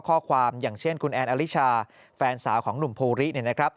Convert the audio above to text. ข้อความอย่างเช่นคุณแอนอลิชาแฟนสาวของหนุ่มโพรีนะครับ